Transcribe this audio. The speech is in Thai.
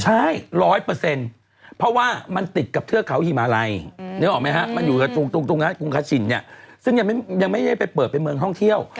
ใช่๑๐๐เพราะว่ามันติดกับเทือกเขาฮิมาลัยนึกออกไหมฮะมันอยู่ตรงนั้นกรุงคาชินเนี่ยซึ่งยังไม่ได้ไปเปิดเป็นเมืองท่องเที่ยว